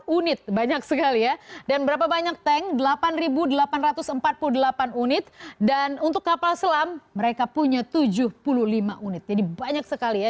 empat unit banyak sekali ya dan berapa banyak tank delapan delapan ratus empat puluh delapan unit dan untuk kapal selam mereka punya tujuh puluh lima unit jadi banyak sekali ya